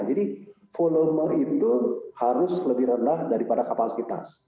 jadi volume itu harus lebih rendah daripada kapasitas